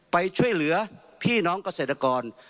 ไปช่วยเหลือพี่น้องเกษตรกร